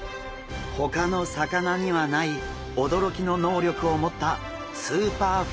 ほかの魚にはない驚きの能力を持ったスーパーフィッシュなんです。